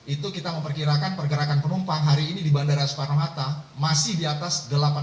itu kita memperkirakan pergerakan penumpang hari ini di bandara soekarno hatta masih di atas delapan puluh